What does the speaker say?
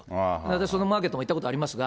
私、そのマーケットも行ったことありますが。